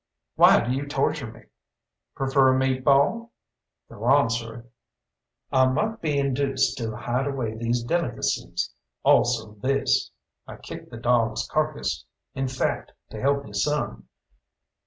"Why do you torture me?" "Prefer a meat ball?" "Go on, sir." "I might be induced to hide away these delicacies. Also this" I kicked the dog's carcass "in fact to help you some.